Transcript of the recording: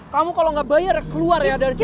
kamu kalo gak bayar ya keluar ya dari sini